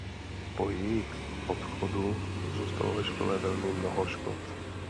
Po jejich odchodu zůstalo ve škole „velmi mnoho škod“.